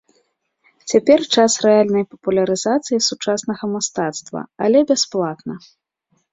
Цяпер час рэальнай папулярызацыі сучаснага мастацтва, але бясплатна.